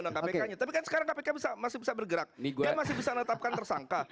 dengan kpk nya tapi kan sekarang kpk bisa masih bisa bergerak nih gue masih bisa letakkan tersangka